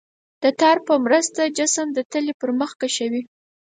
د تار په مرسته جسم د تلې پر مخ کشوي.